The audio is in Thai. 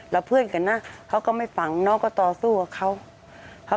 แล้วเพื่อนกันนะเขาก็ไม่ฝังน้องก็ต่อสู้กับเขา